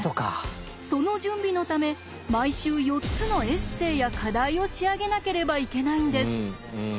その準備のため毎週４つのエッセイや課題を仕上げなければいけないんです。